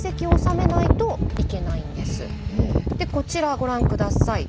でこちらご覧下さい。